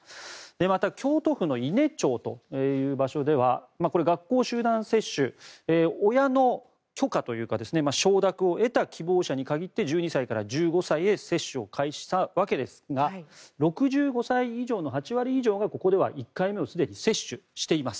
また、京都府の伊根町という場所では学校集団接種親の許可というか承諾を得た希望者に限って１２歳から１５歳へ接種を開始したわけですが６５歳以上の８割以上がここでは１回目をすでに接種しています。